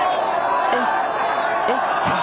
えっ、えっ？